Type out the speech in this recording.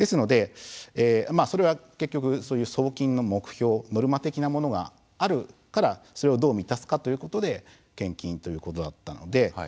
それは結局、送金の目標ノルマ的なものがあるからそれをどう満たすかということで献金ということだったので。